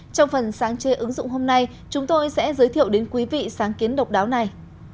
trong phần sáng chế ứng dụng hôm nay chúng tôi sẽ giới thiệu đến quý vị sáng kiến độc đáo này